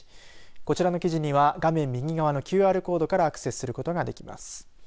こちらの記事には画面右側のＱＲコードからアクセスすることができます。